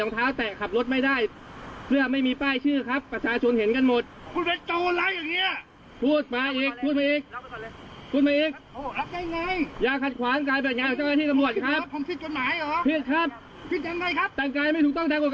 ประชาชนเห็นกันหมด